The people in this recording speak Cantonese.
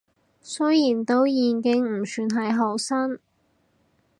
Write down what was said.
雖然都已經唔算係好新